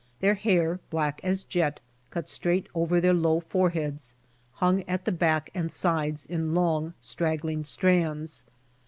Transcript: Their hair, black as jet, cut straight over their low foreheads, hung at the back and sides in long, strag gling strands.